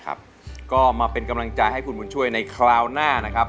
ครับก็มาเป็นกำลังใจให้คุณบุญช่วยในคราวหน้านะครับ